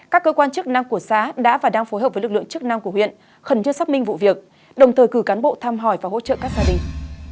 các cơ quan chức năng của xã đã và đang phối hợp với lực lượng chức năng của huyện khẩn trương xác minh vụ việc đồng thời cử cán bộ thăm hỏi và hỗ trợ các gia đình